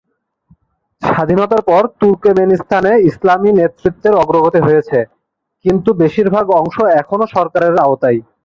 স্বাধীনতার পর, তুর্কমেনিস্তানে ইসলামী নেতৃত্বের অগ্রগতি হয়েছে, কিন্তু বেশিরভাগ অংশ এখনো সরকারের আওতায়।